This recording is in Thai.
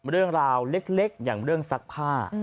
เรื่องราวเล็กอย่างเรื่องซักผ้า